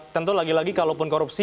tentu lagi lagi kalau pun korupsi